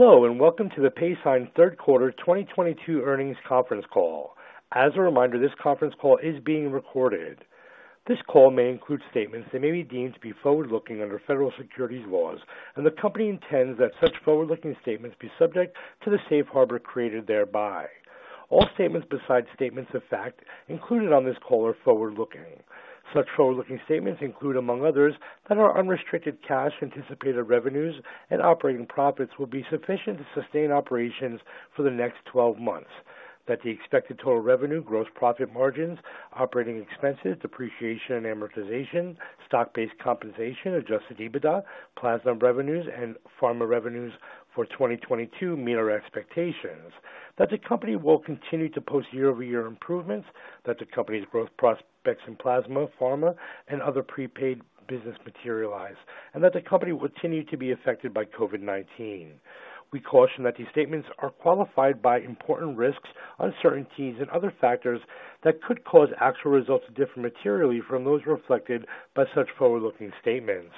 Hello, and welcome to the Paysign third quarter 2022 earnings conference call. As a reminder, this conference call is being recorded. This call may include statements that may be deemed to be forward-looking under federal securities laws, and the company intends that such forward-looking statements be subject to the safe harbor created thereby. All statements besides statements of fact included on this call are forward-looking. Such forward-looking statements include, among others, that our unrestricted cash, anticipated revenues, and operating profits will be sufficient to sustain operations for the next 12 months. That the expected total revenue, gross profit margins, operating expenses, depreciation and amortization, stock-based compensation, adjusted EBITDA, plasma revenues, and pharma revenues for 2022 meet our expectations. That the company will continue to post year-over-year improvements. That the company's growth prospects in plasma, pharma, and other prepaid business materialize. That the company will continue to be affected by COVID-19. We caution that these statements are qualified by important risks, uncertainties, and other factors that could cause actual results to differ materially from those reflected by such forward-looking statements.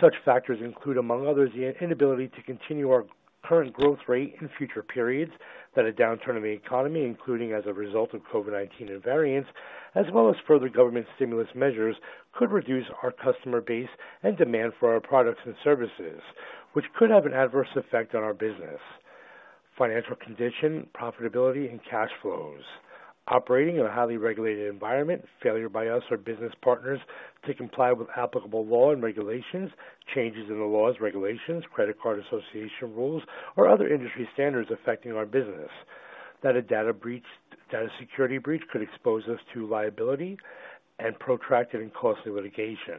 Such factors include, among others, the inability to continue our current growth rate in future periods. That a downturn in the economy, including as a result of COVID-19 and variants, as well as further government stimulus measures, could reduce our customer base and demand for our products and services, which could have an adverse effect on our business, financial condition, profitability, and cash flows. Operating in a highly regulated environment, failure by us or business partners to comply with applicable law and regulations, changes in the laws, regulations, credit card association rules, or other industry standards affecting our business. That a data security breach could expose us to liability and protracted and costly litigation.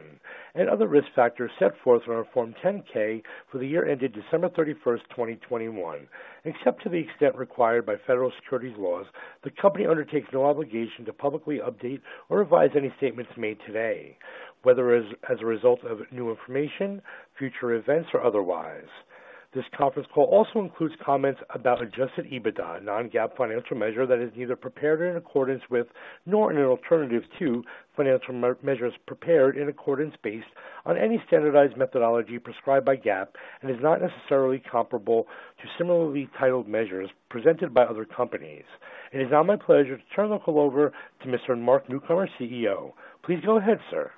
Other risk factors set forth on our Form 10-K for the year ended December 31st, 2021. Except to the extent required by federal securities laws, the company undertakes no obligation to publicly update or revise any statements made today, whether as a result of new information, future events, or otherwise. This conference call also includes comments about adjusted EBITDA, a non-GAAP financial measure that is neither prepared in accordance with nor an alternative to financial measures prepared in accordance based on any standardized methodology prescribed by GAAP and is not necessarily comparable to similarly titled measures presented by other companies. It is now my pleasure to turn the call over to Mr. Mark Newcomer, CEO. Please go ahead, sir.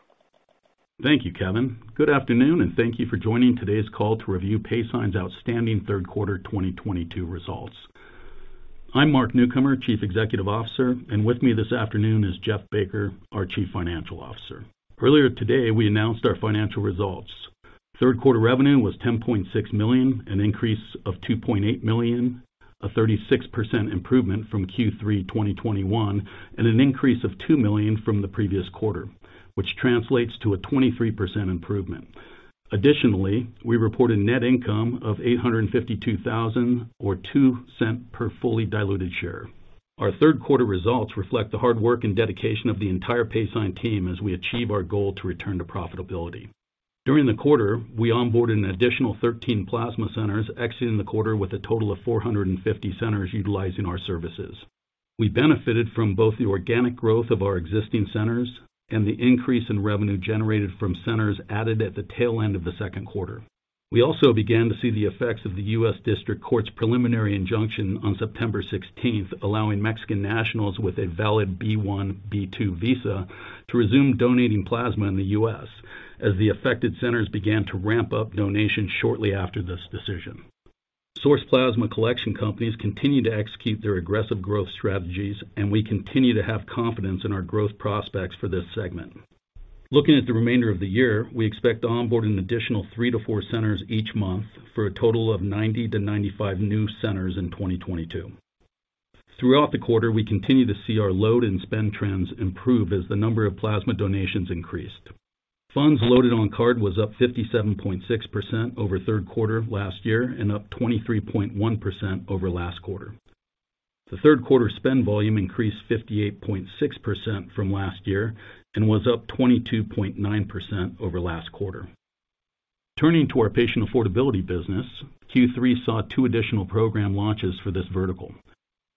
Thank you, Kevin. Good afternoon, and thank you for joining today's call to review Paysign's outstanding third quarter 2022 results. I'm Mark Newcomer, Chief Executive Officer, and with me this afternoon is Jeff Baker, our Chief Financial Officer. Earlier today, we announced our financial results. Third quarter revenue was $10.6 million, an increase of $2.8 million, a 36% improvement from Q3 2021, an increase of $2 million from the previous quarter, which translates to a 23% improvement. Additionally, we reported net income of $852,000, or $0.02 per fully diluted share. Our third quarter results reflect the hard work and dedication of the entire Paysign team as we achieve our goal to return to profitability. During the quarter, we onboarded an additional 13 plasma centers, exiting the quarter with a total of 450 centers utilizing our services. We benefited from both the organic growth of our existing centers and the increase in revenue generated from centers added at the tail end of the second quarter. We also began to see the effects of the U.S. District Court's preliminary injunction on September 16th, allowing Mexican nationals with a valid B-1/B-2 visa to resume donating plasma in the U.S. as the affected centers began to ramp up donations shortly after this decision. Source plasma collection companies continue to execute their aggressive growth strategies, and we continue to have confidence in our growth prospects for this segment. Looking at the remainder of the year, we expect to onboard an additional three to four centers each month for a total of 90 to 95 new centers in 2022. Throughout the quarter, we continue to see our load and spend trends improve as the number of plasma donations increased. Funds loaded on card was up 57.6% over third quarter last year and up 23.1% over last quarter. The third quarter spend volume increased 58.6% from last year and was up 22.9% over last quarter. Turning to our patient affordability business, Q3 saw two additional program launches for this vertical.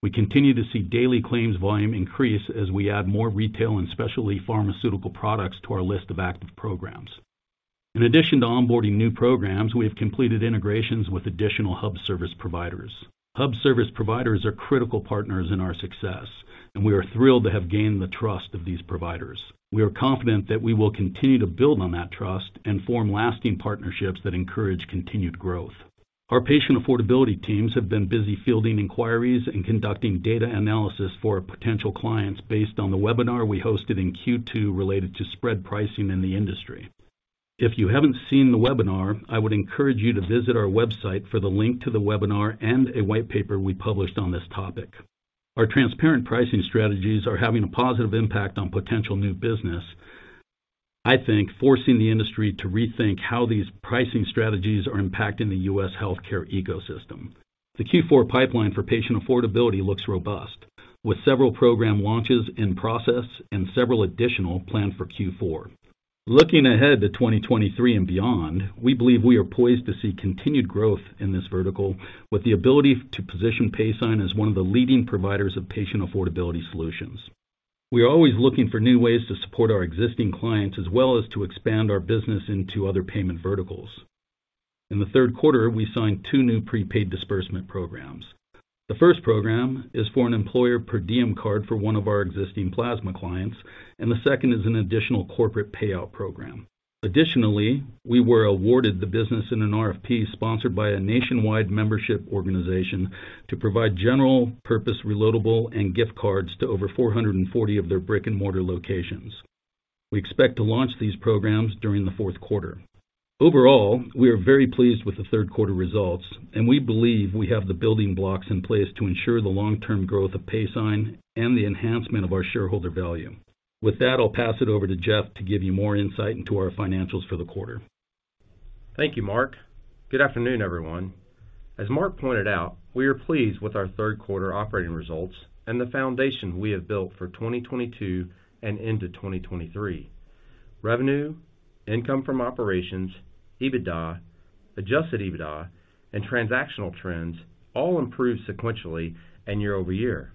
We continue to see daily claims volume increase as we add more retail and specialty pharmaceutical products to our list of active programs. In addition to onboarding new programs, we have completed integrations with additional hub service providers. Hub service providers are critical partners in our success, and we are thrilled to have gained the trust of these providers. We are confident that we will continue to build on that trust and form lasting partnerships that encourage continued growth. Our patient affordability teams have been busy fielding inquiries and conducting data analysis for potential clients based on the webinar we hosted in Q2 related to spread pricing in the industry. If you haven't seen the webinar, I would encourage you to visit our website for the link to the webinar and a white paper we published on this topic. Our transparent pricing strategies are having a positive impact on potential new business, I think forcing the industry to rethink how these pricing strategies are impacting the U.S. healthcare ecosystem. The Q4 pipeline for patient affordability looks robust, with several program launches in process and several additional planned for Q4. Looking ahead to 2023 and beyond, we believe we are poised to see continued growth in this vertical with the ability to position Paysign as one of the leading providers of patient affordability solutions. We are always looking for new ways to support our existing clients, as well as to expand our business into other payment verticals. In the third quarter, we signed two new prepaid disbursement programs. The first program is for an employer per diem card for one of our existing plasma clients, and the second is an additional corporate payout program. Additionally, we were awarded the business in an RFP sponsored by a nationwide membership organization to provide General Purpose Reloadable and gift cards to over 440 of their brick and mortar locations. We expect to launch these programs during the fourth quarter. Overall, we are very pleased with the third quarter results, and we believe we have the building blocks in place to ensure the long-term growth of Paysign and the enhancement of our shareholder value. With that, I'll pass it over to Jeff to give you more insight into our financials for the quarter. Thank you, Mark. Good afternoon, everyone. As Mark pointed out, we are pleased with our third quarter operating results and the foundation we have built for 2022 and into 2023. Revenue, income from operations, EBITDA, adjusted EBITDA, and transactional trends all improved sequentially and year-over-year.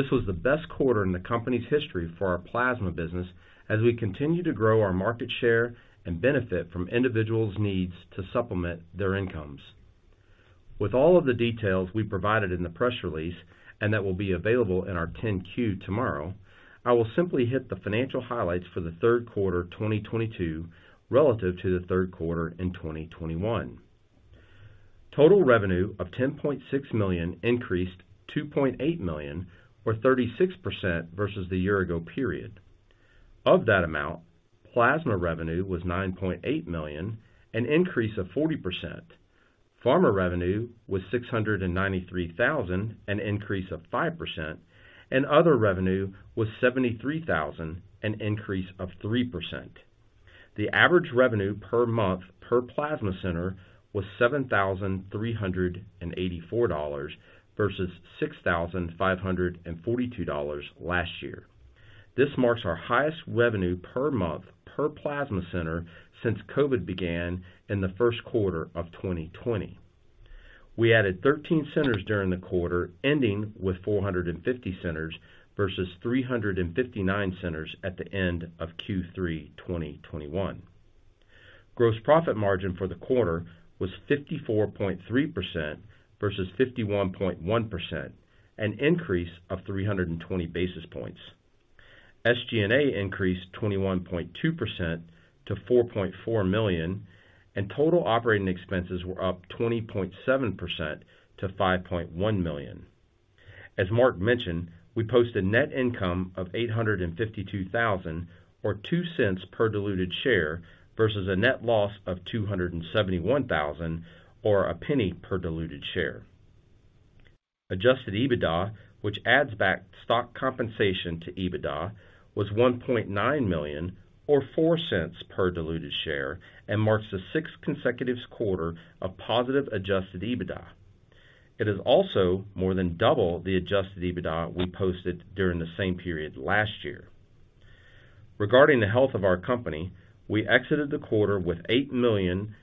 This was the best quarter in the company's history for our plasma business as we continue to grow our market share and benefit from individuals' needs to supplement their incomes. With all of the details we provided in the press release, and that will be available in our 10-Q tomorrow, I will simply hit the financial highlights for the third quarter 2022 relative to the third quarter in 2021. Total revenue of $10.6 million increased $2.8 million or 36% versus the year-ago period. Of that amount, plasma revenue was $9.8 million, an increase of 40%. Pharma revenue was $693,000, an increase of 5%, and other revenue was $73,000, an increase of 3%. The average revenue per month per plasma center was $7,384 versus $6,542 last year. This marks our highest revenue per month per plasma center since COVID began in the first quarter of 2020. We added 13 centers during the quarter, ending with 450 centers versus 359 centers at the end of Q3 2021. Gross profit margin for the quarter was 54.3% versus 51.1%, an increase of 320 basis points. SG&A increased 21.2% to $4.4 million, and total operating expenses were up 20.7% to $5.1 million. As Mark mentioned, we posted net income of $852,000 or $0.02 per diluted share versus a net loss of $271,000 or $0.01 per diluted share. Adjusted EBITDA, which adds back stock compensation to EBITDA, was $1.9 million or $0.04 per diluted share and marks the sixth consecutive quarter of positive adjusted EBITDA. It is also more than double the adjusted EBITDA we posted during the same period last year. Regarding the health of our company, we exited the quarter with $8 million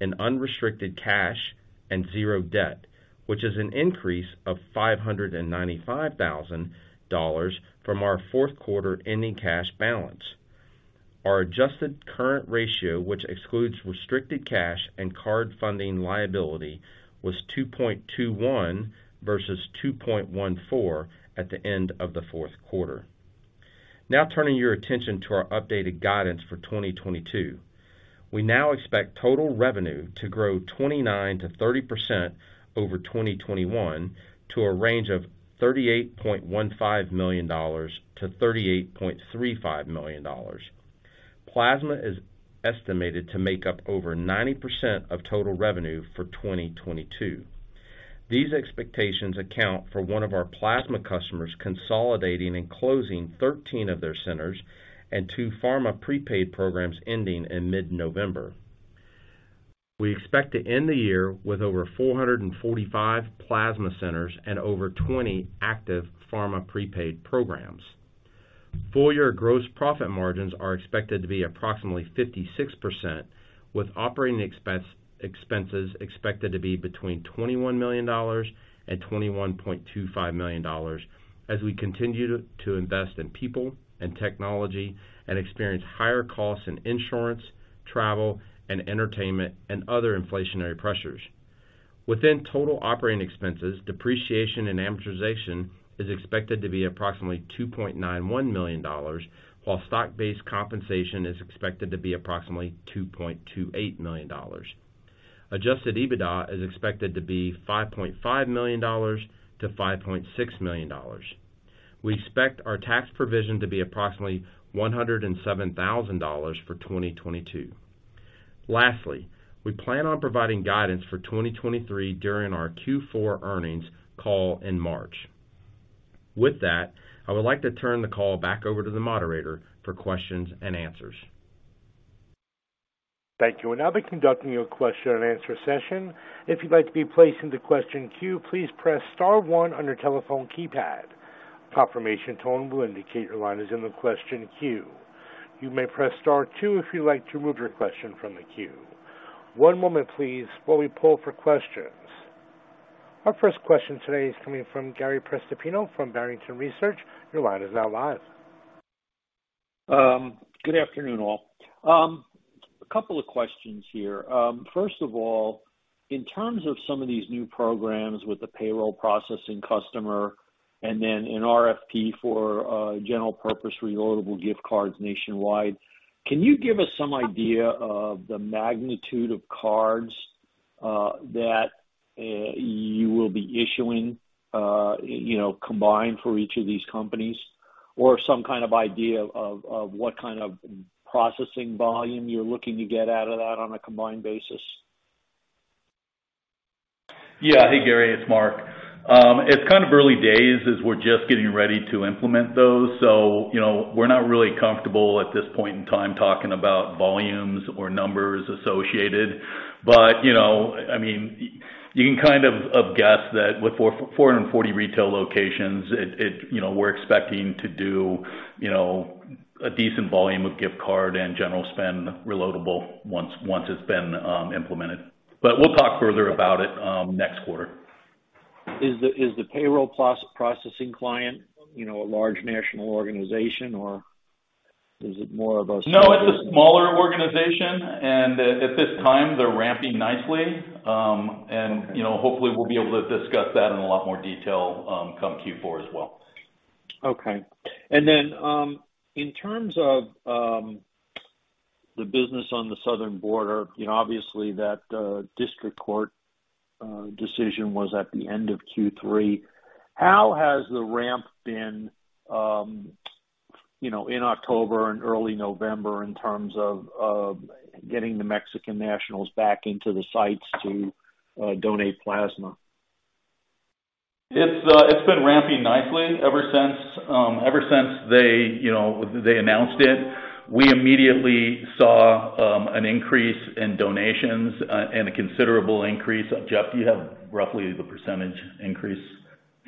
in unrestricted cash and zero debt, which is an increase of $595,000 from our fourth quarter ending cash balance. Our adjusted current ratio, which excludes restricted cash and card funding liability, was 2.21 versus 2.14 at the end of the fourth quarter. Turning your attention to our updated guidance for 2022. We now expect total revenue to grow 29%-30% over 2021 to a range of $38.15 million-$38.35 million. Plasma is estimated to make up over 90% of total revenue for 2022. These expectations account for one of our plasma customers consolidating and closing 13 of their centers and two pharma prepaid programs ending in mid-November. We expect to end the year with over 445 plasma centers and over 20 active pharma prepaid programs. Full year gross profit margins are expected to be approximately 56%, with operating expenses expected to be between $21 million and $21.25 million as we continue to invest in people and technology and experience higher costs in insurance, travel and entertainment, and other inflationary pressures. Within total operating expenses, depreciation and amortization is expected to be approximately $2.91 million, while stock-based compensation is expected to be approximately $2.28 million. Adjusted EBITDA is expected to be $5.5 million-$5.6 million. We expect our tax provision to be approximately $107,000 for 2022. Lastly, we plan on providing guidance for 2023 during our Q4 earnings call in March. I would like to turn the call back over to the moderator for questions and answers. Thank you. We'll now be conducting your question and answer session. If you'd like to be placed into question queue, please press star one on your telephone keypad. Confirmation tone will indicate your line is in the question queue. You may press star two if you'd like to remove your question from the queue. One moment, please, while we pull for questions. Our first question today is coming from Gary Prestopino from Barrington Research. Your line is now live. Good afternoon, all. A couple of questions here. In terms of some of these new programs with the payroll processing customer and then an RFP for General Purpose Reloadable gift cards nationwide, can you give us some idea of the magnitude of cards that you will be issuing combined for each of these companies? Some kind of idea of what kind of processing volume you're looking to get out of that on a combined basis? Yeah. Hey, Gary, it's Mark. It's early days as we're just getting ready to implement those. We're not really comfortable at this point in time talking about volumes or numbers associated. You can guess that with 440 retail locations, we're expecting to do a decent volume of gift card and General Purpose Reloadable once it's been implemented. We'll talk further about it next quarter. Is the payroll processing client a large national organization, or is it more of a- No, it's a smaller organization. At this time, they're ramping nicely. Okay. Hopefully we'll be able to discuss that in a lot more detail come Q4 as well. Then, in terms of the business on the southern border, obviously that district court decision was at the end of Q3. How has the ramp been in October and early November in terms of getting the Mexican nationals back into the sites to donate plasma? It's been ramping nicely ever since they announced it. We immediately saw an increase in donations, and a considerable increase. Jeff, do you have roughly the percentage increase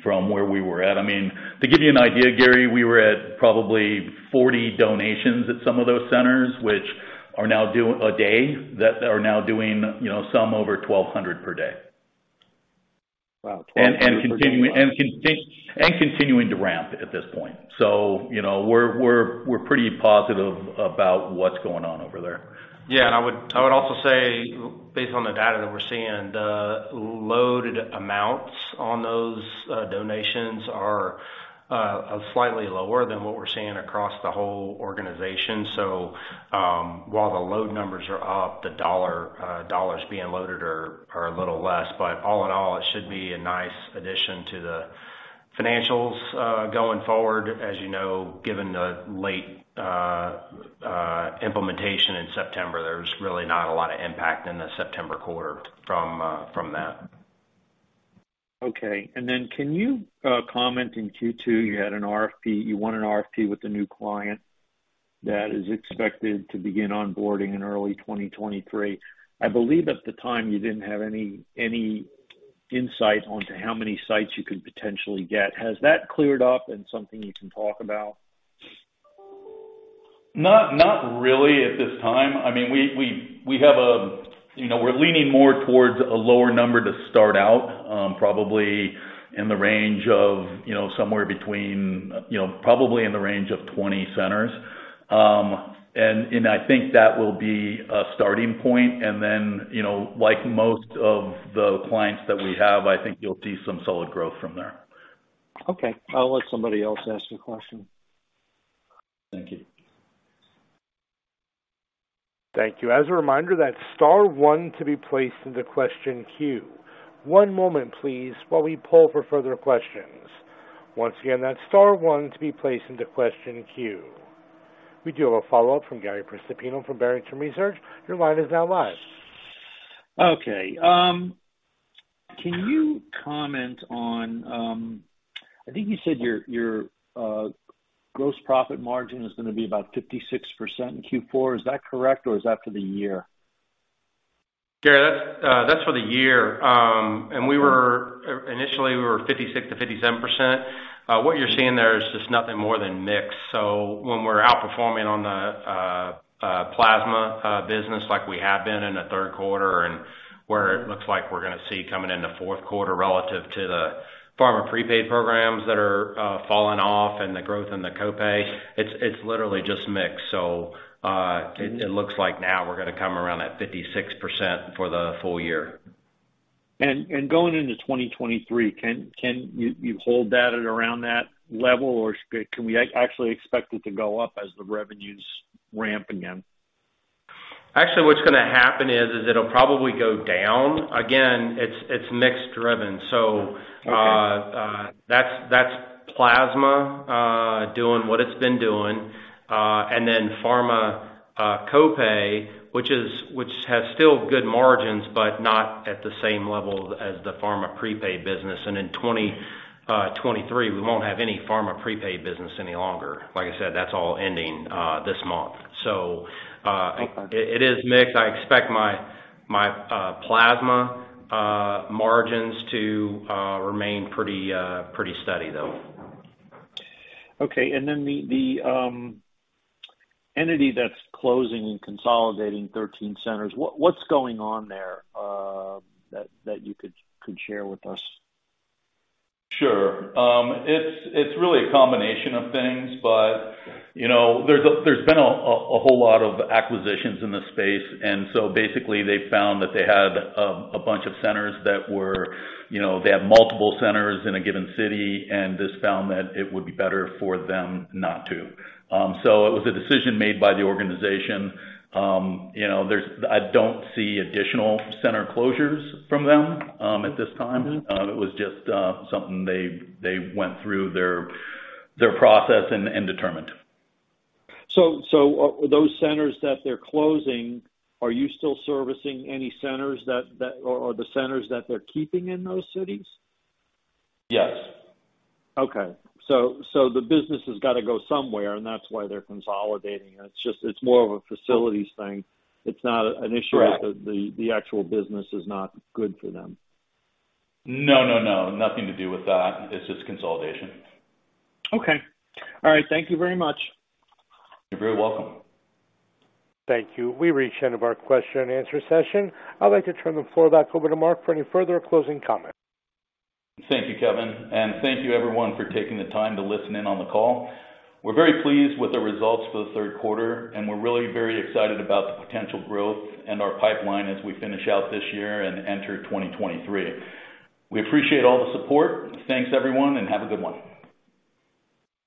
from where we were at? To give you an idea, Gary, we were at probably 40 donations at some of those centers a day, that are now doing some over 1,200 per day. Wow, 1,200 per day. Continuing to ramp at this point. We're pretty positive about what's going on over there. I would also say, based on the data that we're seeing, the loaded amounts on those donations are slightly lower than what we're seeing across the whole organization. While the load numbers are up, the dollars being loaded are a little less. All in all, it should be a nice addition to the financials going forward. As you know, given the late implementation in September, there's really not a lot of impact in the September quarter from that. Can you comment, in Q2, you won an RFP with a new client that is expected to begin onboarding in early 2023. I believe at the time you didn't have any insight onto how many sites you could potentially get. Has that cleared up and something you can talk about? Not really at this time. We're leaning more towards a lower number to start out, probably in the range of 20 centers. I think that will be a starting point then, like most of the clients that we have, I think you'll see some solid growth from there. Okay. I'll let somebody else ask a question. Thank you. Thank you. As a reminder, that's star one to be placed into question queue. One moment, please, while we poll for further questions. Once again, that's star one to be placed into question queue. We do have a follow-up from Gary Prestopino from Barrington Research. Your line is now live. Okay. Can you comment on, I think you said your gross profit margin is going to be about 56% in Q4. Is that correct, or is that for the year? Gary, that's for the year. Initially, we were 56%-57%. What you're seeing there is just nothing more than mix. When we're outperforming on the plasma business, like we have been in the third quarter, and where it looks like we're going to see coming in the fourth quarter relative to the pharma prepaid programs that are falling off and the growth in the co-pay, it's literally just mix. It looks like now we're going to come around at 56% for the full year. Going into 2023, can you hold that at around that level, or can we actually expect it to go up as the revenues ramp again? What's going to happen is it'll probably go down. Again, it's mix driven. Okay That's plasma doing what it's been doing. Pharma co-pay, which has still good margins, but not at the same level as the pharma prepaid business. In 2023, we won't have any pharma prepaid business any longer. Like I said, that's all ending this month. Okay It is mixed. I expect my plasma margins to remain pretty steady, though. Okay. The entity that's closing and consolidating 13 centers, what's going on there that you could share with us? Sure. It's really a combination of things, there's been a whole lot of acquisitions in this space. Basically, they found that they had a bunch of centers, they had multiple centers in a given city, and just found that it would be better for them not to. It was a decision made by the organization. I don't see additional center closures from them at this time. It was just something they went through their process and determined. Those centers that they're closing, are you still servicing any centers or the centers that they're keeping in those cities? Yes. Okay. The business has got to go somewhere, and that's why they're consolidating it. It's more of a facilities thing. It's not an issue- Correct that the actual business is not good for them. No, nothing to do with that. It's just consolidation. Okay. All right. Thank you very much. You're very welcome. Thank you. We've reached the end of our question and answer session. I'd like to turn the floor back over to Mark for any further closing comments. Thank you, Kevin. Thank you everyone for taking the time to listen in on the call. We're very pleased with the results for the third quarter, we're really very excited about the potential growth and our pipeline as we finish out this year and enter 2023. We appreciate all the support. Thanks, everyone, and have a good one.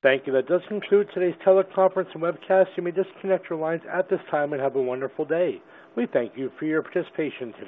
Thank you. That does conclude today's teleconference and webcast. You may disconnect your lines at this time and have a wonderful day. We thank you for your participation.